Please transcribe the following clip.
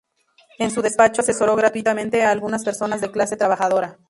En su despacho asesoró gratuitamente a algunas personas de clase trabajadora.